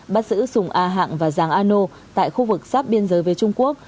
bắt giữ sùng a hạng và giàng a nô tại khu vực sắp biên giới với trung quốc